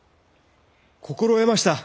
心得ました！